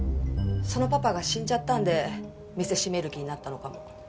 そのパパが死んじゃったんで店閉める気になったのかも。